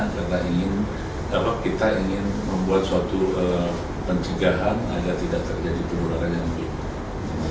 karena kita ingin membuat suatu pencegahan agar tidak terjadi penularan yang lebih banyak